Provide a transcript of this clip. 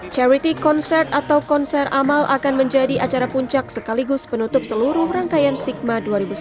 charity concert atau konser amal akan menjadi acara puncak sekaligus penutup seluruh rangkaian sigma dua ribu sembilan belas